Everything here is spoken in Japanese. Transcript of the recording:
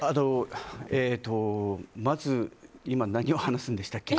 まず、今何を話すんでしたっけ？